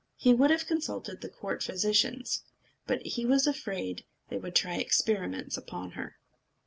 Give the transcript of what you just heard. He would have consulted the court physicians; but he was afraid they would try experiments upon her.